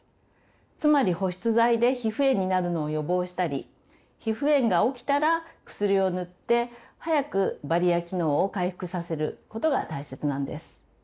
つまり保湿剤で皮膚炎になるのを予防したり皮膚炎が起きたら薬を塗って早くバリア機能を回復させることが大切なんです。